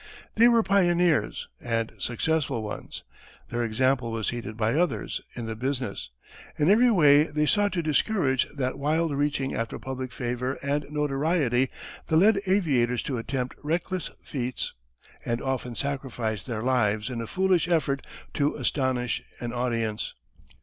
They were pioneers and successful ones. Their example was heeded by others in the business. In every way they sought to discourage that wild reaching after public favour and notoriety that led aviators to attempt reckless feats, and often sacrifice their lives in a foolish effort to astonish an audience.